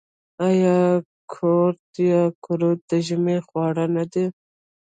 آیا کورت یا قروت د ژمي خواړه نه دي؟